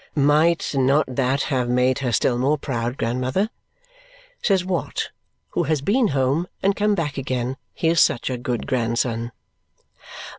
"Might not that have made her still more proud, grandmother?" says Watt, who has been home and come back again, he is such a good grandson.